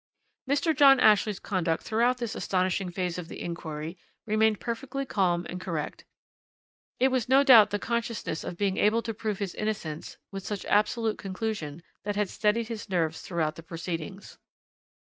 "Mr. John Ashley's conduct throughout this astonishing phase of the inquiry remained perfectly calm and correct. It was no doubt the consciousness of being able to prove his innocence with such absolute conclusion that had steadied his nerves throughout the proceedings.